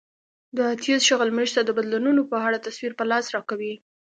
د اتیوس شغل موږ ته د بدلونونو په اړه تصویر په لاس راکوي